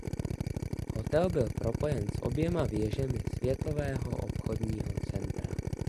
Hotel byl propojen s oběma věžemi Světového obchodního centra.